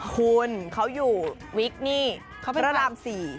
คุ้นเขาอยู่วิกราลาม๔